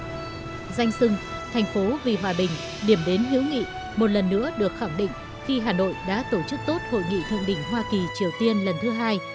sưng thành phố vì hòa bình điểm đến hữu nghị một lần nữa được khẳng định khi hà nội đã tổ chức tốt hội nghị thượng đỉnh hoa kỳ triều tiên lần thứ hai